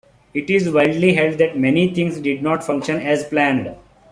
It is widely held that many things did not function as planned.